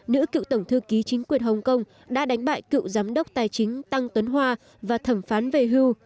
nữ cựu tổng thư ký chính quyền hồng kông đã đánh bại cựu giám đốc tài chính tăng tuấn hoa và thẩm phán về hưu